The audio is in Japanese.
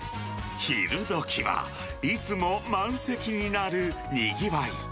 昼どきは、いつも満席になるにぎわい。